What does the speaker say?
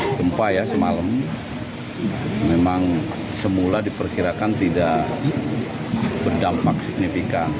gempa ya semalam memang semula diperkirakan tidak berdampak signifikan